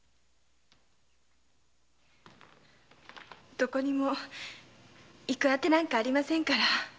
どこにも行くあてなんかありませんから。